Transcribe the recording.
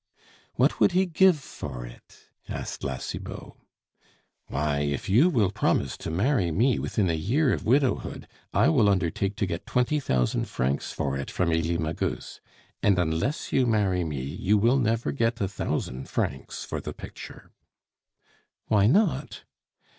"What would he give for it?" asked La Cibot. "Why, if you will promise to marry me within a year of widowhood, I will undertake to get twenty thousand francs for it from Elie Magus; and unless you marry me you will never get a thousand francs for the picture." "Why not?"